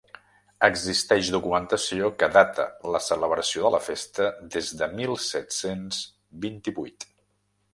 Existeix documentació que data la celebració de la festa des de mil set-cents vint-i-vuit.